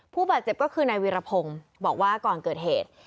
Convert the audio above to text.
ผู้บาดเจ็บก็คือนายวีรพงศ์บอกว่าก่อนเกิดเหตุ